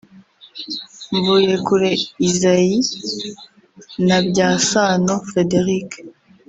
Mvuyekure Isaie na Byasano Frederic